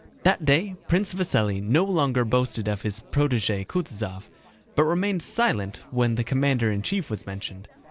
That day Prince Vasíli no longer boasted of his protégé Kutúzov, but remained silent when the commander in chief was mentioned.